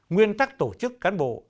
nguyên tắc tổ chức cán bộ